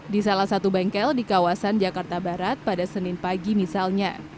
di salah satu bengkel di kawasan jakarta barat pada senin pagi misalnya